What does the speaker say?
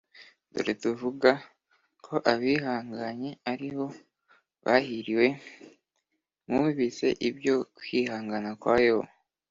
Dore tuvuga ko abihanganye ari bo bahiriwe Mwumvise ibyo kwihangana kwa Yobu